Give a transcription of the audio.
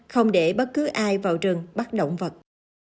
không để bất cứ ai vào rừng bắt động vật